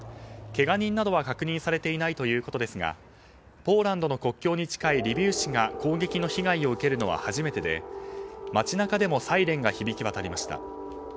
けが人などは確認されていないということですがポーランドの国境に近いリビウ市が攻撃の被害を受けるのは初めてで街中でもサイレンが響き渡りました。